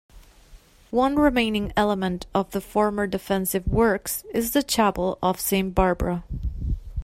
One remaining element of the former defensive works is the Chapel of Saint Barbara.